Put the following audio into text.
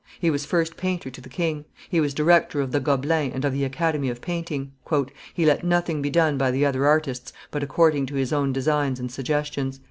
He was first painter to the king; he was director of the Gobelins and of the academy of painting. "He let nothing be done by the other artists but according to his own designs and suggestions.